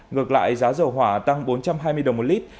ngược lại giá dầu hỏa tăng bốn trăm hai mươi đồng một lít